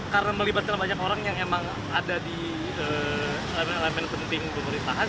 karena melibatkan banyak orang yang memang ada di elemen elemen penting pemerintahan